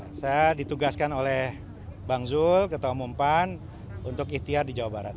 saya ditugaskan oleh bang zul ketua umum pan untuk ikhtiar di jawa barat